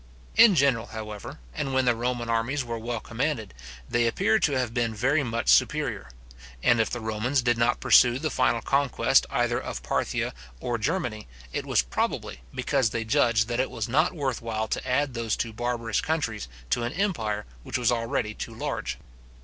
In general, however, and when the Roman armies were well commanded, they appear to have been very much superior; and if the Romans did not pursue the final conquest either of Parthia or Germany, it was probably because they judged that it was not worth while to add those two barbarous countries to an empire which was already too large.